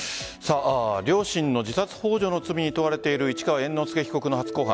両親の自殺ほう助の罪に問われている市川猿之助被告の初公判。